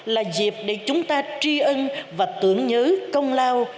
là dịp để chúng ta tri ân và tưởng nhớ công lao